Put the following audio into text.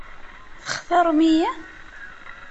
Textaṛem-iyi?